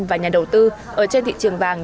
và nhà đầu tư ở trên thị trường vàng